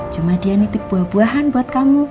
cuma dia nitip buah buahan buat kamu